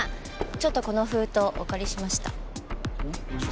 ちょっとこの封筒お借りしました。